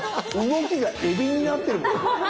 動きがエビになってる。